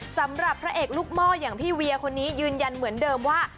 สำหรับพระเอกลูกหม้ออย่างพี่เวียคนนี้ยืนยันเหมือนเดิมว่า